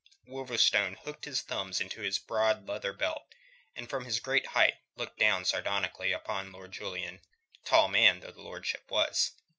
Wolverstone hooked his thumbs into his broad leather belt, and from his great height looked down sardonically upon Lord Julian, tall man though his lordship was.